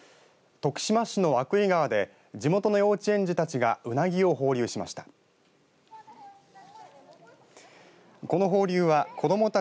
徳島市の鮎喰川で地元の幼稚園児たちがウナギを放流しました。